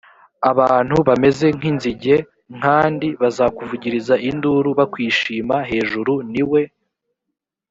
abantu bameze nk inzige n kandi bazakuvugiriza induru bakwishima hejuru ni we